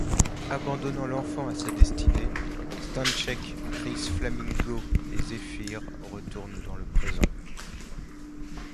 Abandonnant l'enfant à sa destinée, Stanchek, Kris, Flamingo et Zephyr retournent dans le présent.